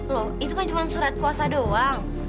loh itu kan cuma surat kuasa doang